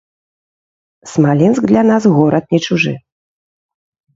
Смаленск для нас горад не чужы.